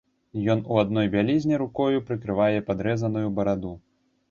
Ён у адной бялізне, рукою прыкрывае падрэзаную бараду.